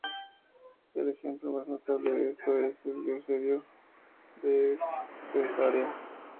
El ejemplo más notable de esto es el de Eusebio de Cesarea.